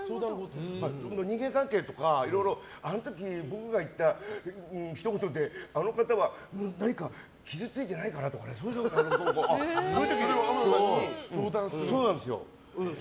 人間関係とかあの時、僕が言ったひと言であの方は何か傷ついてないかなとかそれを天野さんにそうなんですよ。